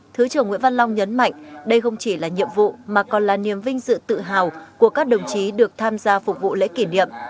thứ trưởng nguyễn văn long nhấn mạnh đây không chỉ là nhiệm vụ mà còn là niềm vinh dự tự hào của các đồng chí được tham gia phục vụ lễ kỷ niệm